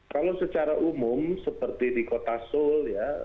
kalau secara umum seperti di kota seoul ya